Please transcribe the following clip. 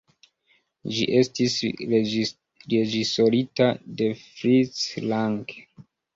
Ĝi estis reĝisorita de Fritz Lang.